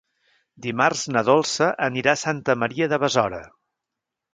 Dimarts na Dolça anirà a Santa Maria de Besora.